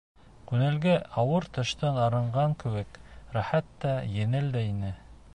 Күңелгә, ауыр төштән арынған кеүек, рәхәт тә, еңел дә ине.